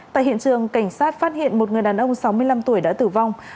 tại hiện trường cảnh sát phát hiện một người đàn ông sáu mươi năm tuổi đã tử vong